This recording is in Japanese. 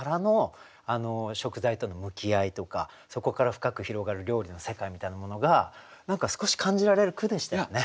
そこから深く広がる料理の世界みたいなものが何か少し感じられる句でしたよね。